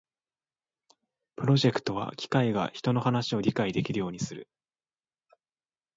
プロジェクトは機械が人の話を理解できるようにする